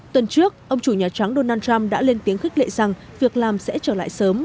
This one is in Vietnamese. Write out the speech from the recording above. tuần trước ông chủ nhà trắng donald trump đã lên tiếng khích lệ rằng việc làm sẽ trở lại sớm